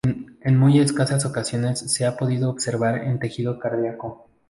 En muy escasas ocasiones se han podido observar en tejido cardíaco.